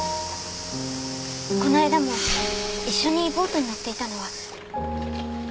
この間も一緒にボートに乗っていたのは。